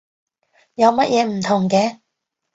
有乜嘢唔同嘅？